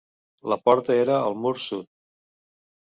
La porta era al mur sud.